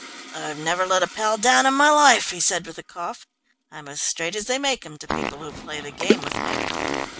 "I've never let a pal down in my life," he said with a cough. "I'm as straight as they make 'em, to people who play the game with me."